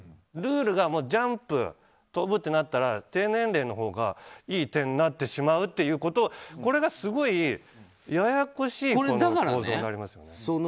ルールがジャンプ、とぶってなったら低年齢のほうがいい点になってしまうということこれがすごいややこしい構造になってしまいますよね。